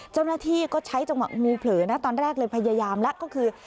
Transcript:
เจ้าหน้าที่ก็ใช้จังหวะงูเผลอนะตอนแรกเลยพยายามแล้วก็คือ